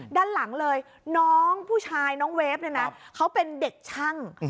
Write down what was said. ด้านหลังเลยน้องผู้ชายน้องเวฟเนี่ยนะเขาเป็นเด็กช่าง